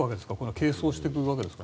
係争していくわけですか。